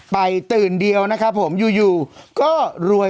ค่ะเพราะดูอีกได้ส่วน